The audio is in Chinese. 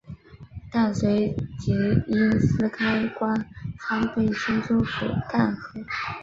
但随即因私开官仓被青州府弹劾。